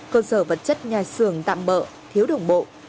cơ sở vật chất nhà xưởng tạm bỡ thiếu đồng bộ